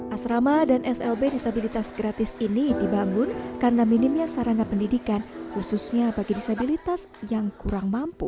asrama dan slb disabilitas gratis ini dibangun karena minimnya sarana pendidikan khususnya bagi disabilitas yang kurang mampu